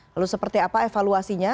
lalu seperti apa evaluasinya